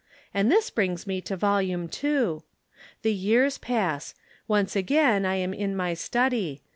And this brings me to Volume Two. The years pass. Once again I am in my study.